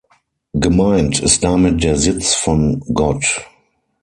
Gemeint ist damit der Sitz von Gott.